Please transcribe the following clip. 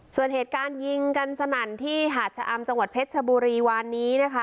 ส่วนเหตุการณ์ยิงกันสนั่นที่หาดชะอำจังหวัดเพชรชบุรีวานนี้นะคะ